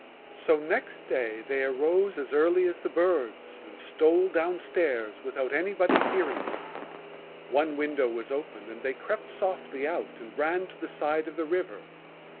So next day they arose as early as the birds and stole downstairs without anybody hearing them. One window was open, and they crept softly out and ran to the side of the river.